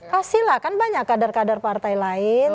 kasih lah kan banyak kadar kadar partai lain